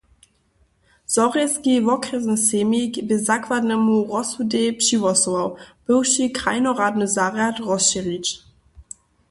Zhorjelski wokrjesny sejmik bě zakładnemu rozsudej přihłosował, bywši krajnoradny zarjad rozšěrić.